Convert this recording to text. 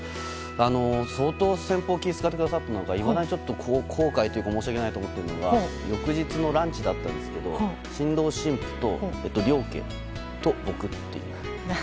相当先方が気を使ってくださったのかいまだにちょっと後悔というか申し訳ないと思っているのが翌日のランチだったんですけど新郎新婦と両家と僕っていう。